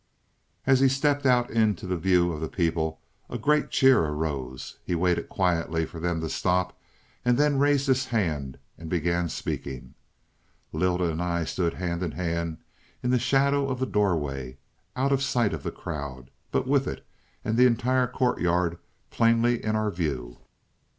"As he stepped out into the view of the people, a great cheer arose. He waited quietly for them to stop, and then raised his hand and began speaking. Lylda and I stood hand in hand in the shadow of the doorway, out of sight of the crowd, but with it and the entire courtyard plainly in our view.